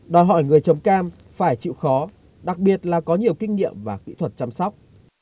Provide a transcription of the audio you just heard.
đòi hỏi người trồng cam phải chịu khó đặc biệt là có nhiều kinh nghiệm và kỹ thuật chăm sóc